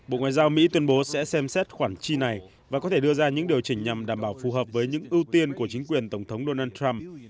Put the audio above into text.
bộ ngoại giao mỹ tuyên bố sẽ xem xét khoản chi này và có thể đưa ra những điều chỉnh nhằm đảm bảo phù hợp với những ưu tiên của chính quyền tổng thống donald trump